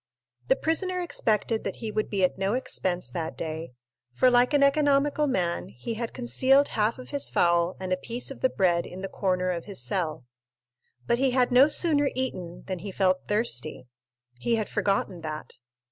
The prisoner expected that he would be at no expense that day, for like an economical man he had concealed half of his fowl and a piece of the bread in the corner of his cell. But he had no sooner eaten than he felt thirsty; he had forgotten that.